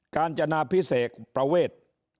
การจนาพิเศษประเวท